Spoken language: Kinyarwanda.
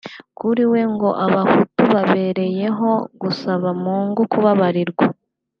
kuri we ngo Abahutu babereyeho gusaba mungu kubabarirwa